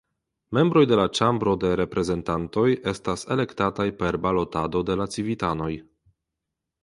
Membroj de la Ĉambro de Reprezentantoj estas elektataj per balotado de la civitanoj.